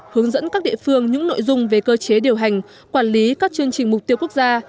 hướng dẫn các địa phương những nội dung về cơ chế điều hành quản lý các chương trình mục tiêu quốc gia